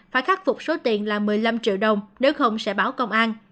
phải khắc phục số tiền là một mươi năm triệu đồng nếu không sẽ báo công an